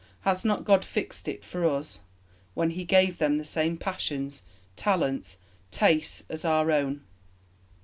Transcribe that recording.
Has not God fixed it for us, when He gave them the same passions, talents, tastes, as our own?"